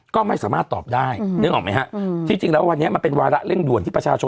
ก็ไม่สามารถตอบได้นึกออกไหมฮะที่จริงแล้ววันนี้มันเป็นวาระเร่งด่วนที่ประชาชน